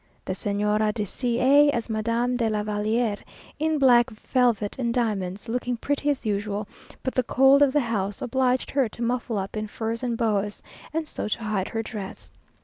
The Señora de C a, as Madame de la Valliere, in black velvet and diamonds, looking pretty as usual, but the cold of the house obliged her to muffle up in furs and boas, and so to hide her dress.